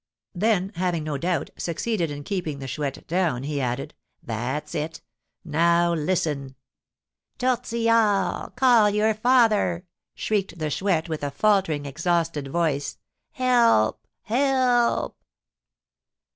Then, having, no doubt, succeeded in keeping the Chouette down, he added, "That's it! Now listen " "Tortillard, call your father!" shrieked the Chouette, with a faltering, exhausted voice. "Help! Help!"